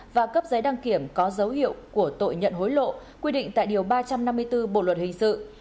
và cấp giấy đăng kiểm có dấu hiệu của tội nhận hối lộ quy định tại điều ba trăm năm mươi bốn bộ luật hình sự